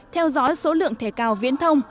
theo dõi số lượng thẻ cao viễn thông